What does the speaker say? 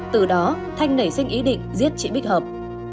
từ đó thanh nảy sinh ý định giết chị bích hợp